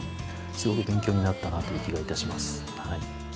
すごく勉強になったなという気がいたします。